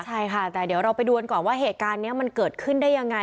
ใช่ค่ะแต่เดี๋ยวเราไปดูกันก่อนว่าเหตุการณ์นี้มันเกิดขึ้นได้ยังไง